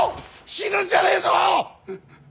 死ぬんじゃねえぞ！